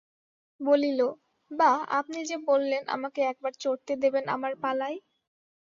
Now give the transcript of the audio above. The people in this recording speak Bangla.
বলিল, বা, আপনি যে বললেন আমাকে একবার চড়তে দেবেন আমার পালায়?